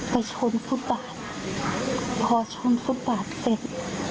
ไปชนฟุตบาทพอชนฟุตบาทเสร็จ